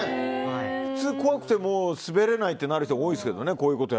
普通怖くて滑れないってなる人が多いですけどね